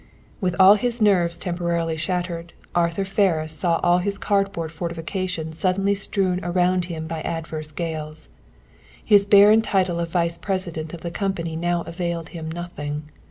With all his nerves temporarily shattered, Arthur Ferris saw all his cardboard fortifications suddenly strewn around him by adverse gales. His barren title of vice president of the company now availed him nothing.